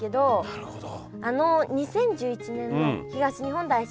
なるほど。